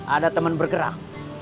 ada teman bergerak